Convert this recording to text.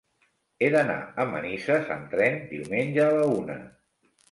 He d'anar a Manises amb tren diumenge a la una.